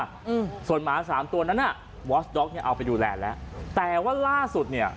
อืมส่วนหมาสามตัวนั้นอ่ะวอสด็อกเนี้ยเอาไปดูแลแล้วแต่ว่าล่าสุดเนี้ย